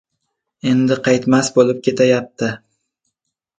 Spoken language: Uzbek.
Endi qaytmas bo‘lib ketayapti.